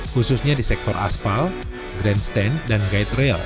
khususnya di sektor aspal grandstand dan guide rail